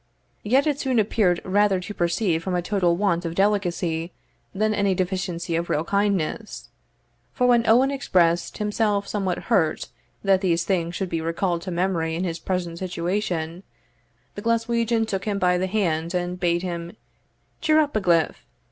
Yet it soon appeared rather to proceed from a total want of delicacy than any deficiency of real kindness; for when Owen expressed himself somewhat hurt that these things should be recalled to memory in his present situation, the Glaswegian took him by the hand, and bade him "Cheer up a gliff!